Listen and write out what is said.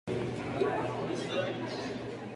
Tras su regreso a París, su salud se debilitó.